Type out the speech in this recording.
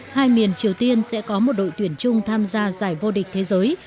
hai miền triều tiên sẽ có một đội tuyển chung tham gia giải vô địch thế giới